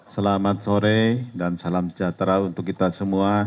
selamat sore dan salam sejahtera untuk kita semua